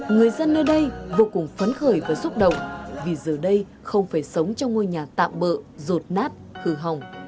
người dân nơi đây vô cùng phấn khởi và xúc động vì giờ đây không phải sống trong ngôi nhà tạm bỡ rột nát khừ hỏng